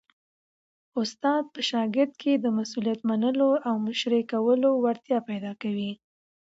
استاد په شاګرد کي د مسؤلیت منلو او مشرۍ کولو وړتیا پیدا کوي.